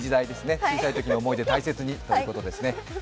小さいときの思い出、大切にということですね。